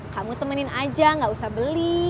kamu temenin aja gak usah beli